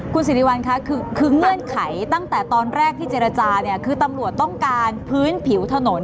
คุณสิริวัลคะคือเงื่อนไขตั้งแต่ตอนแรกที่เจรจาเนี่ยคือตำรวจต้องการพื้นผิวถนน